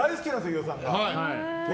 飯尾さんが。